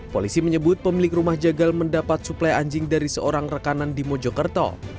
polisi menyebut pemilik rumah jagal mendapat suplai anjing dari seorang rekanan di mojokerto